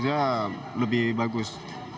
saya lebih bagus